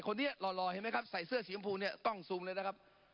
คนนี้หล่อเห็นไหมครับใส่เสื้อสีมะพูนี่ต้องซูมเลยนะครับ